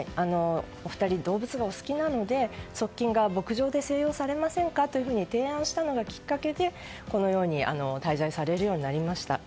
お二人は動物がお好きなので側近が、牧場で静養されませんかというふうに提案したのがきっかけでこのように滞在されるようになりました。